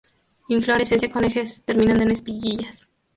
Inflorescencia con ejes terminando en espiguillas.